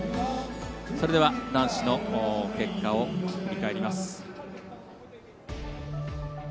それでは男子の結果を振り返ります。